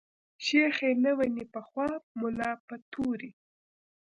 شيخ ئې نه ويني په خواب ملا په توري